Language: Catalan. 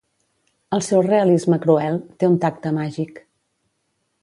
El seu realisme cruel té un tacte màgic.